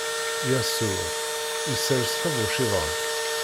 Yasuɛ isers tabuciḍant.